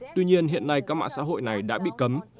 tuy nhiên hiện nay các mạng xã hội này đã bị cấm